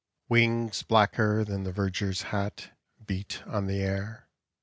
Wings hlacker than the verger's hat Beat on the air.